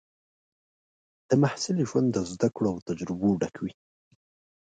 د محصل ژوند د زده کړو او تجربو ډک وي.